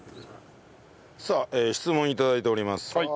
さあ質問を頂いております。